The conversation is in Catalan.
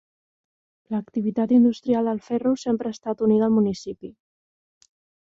L'activitat industrial del ferro sempre ha estat unida al municipi.